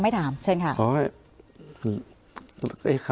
ยังไม่ถามเชิญค่ะ